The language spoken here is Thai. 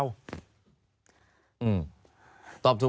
คุณครู